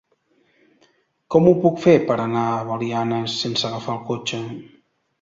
Com ho puc fer per anar a Belianes sense agafar el cotxe?